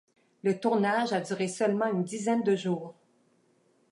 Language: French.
Le tournage a duré seulement une dizaine de jours.